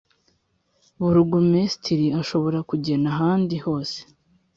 Burugumesitiri ashobora kugena ahandi hose